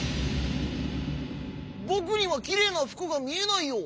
「ぼくにはきれいなふくがみえないよ。